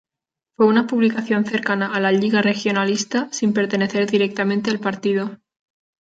Fue una publicación cercana a la Lliga Regionalista, sin pertenecer directamente al partido.